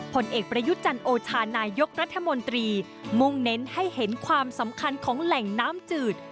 ผลเอกประยุทธ์จันโอชานายกรัฐมนตรีมุ่งเน้นให้เห็นความสำคัญของแหล่งน้ำจืด